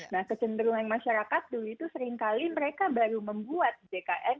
nah kecenderungan masyarakat dulu itu seringkali mereka baru membuat jkn